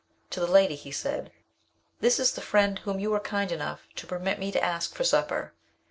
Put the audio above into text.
To the lady he said, "This is the friend whom you were kind enough to permit me to ask for supper."